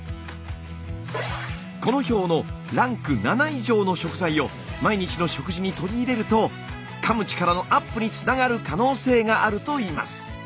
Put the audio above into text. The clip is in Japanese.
この表のランク７以上の食材を毎日の食事に取り入れるとかむ力のアップにつながる可能性があるといいます。